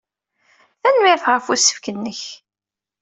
Tanemmirt ɣef usefk-nnek!